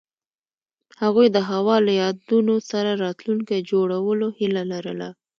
هغوی د هوا له یادونو سره راتلونکی جوړولو هیله لرله.